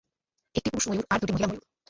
একটি পুরুষ ময়ূর আর দুইটি মহিলা ময়ূর।